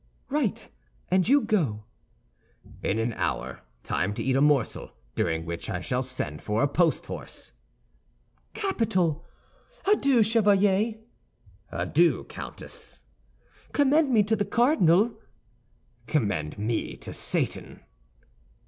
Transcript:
"Right. And you go—" "In an hour—time to eat a morsel, during which I shall send for a post horse." "Capital! Adieu, Chevalier." "Adieu, Countess." "Commend me to the cardinal." "Commend me to Satan."